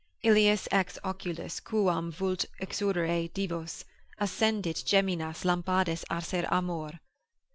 Illius ex oculis quum vult exurere divos, Accendit geminas lampades acer amor.